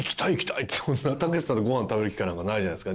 たけしさんとご飯食べる機会なんかないじゃないですか。